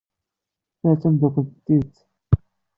Ta d tameddakelt n tidet.